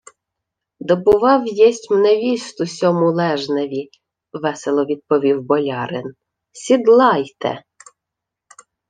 — Добував єсмь невісту сьому лежневі! — весело відповів болярин. — Сідлайте!